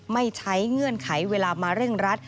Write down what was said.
ไม่ใช้เงื่อนไขเวลามาเร่งรัด